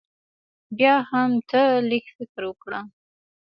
بيا هم تۀ لږ فکر وکړه